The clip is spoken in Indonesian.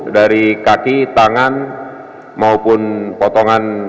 dari kaki tangan maupun potongan